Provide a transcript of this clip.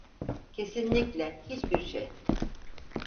Kesinlikle hiçbir şey.